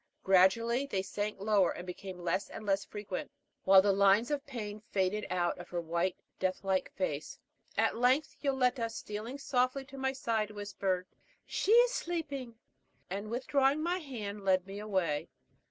Gradually they sank lower, and became less and less frequent, while the lines of pain faded out of her white, death like face. And at length Yoletta, stealing softly to my side, whispered, "She is sleeping," and withdrawing my hand, led me away.